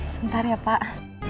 sebentar ya pak